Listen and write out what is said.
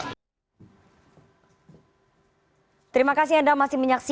terima kasih anda masih menyaksikan